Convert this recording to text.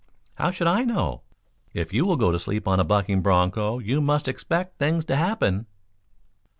"How should I know? If you will go to sleep an a bucking broncho, you must expect things to happen."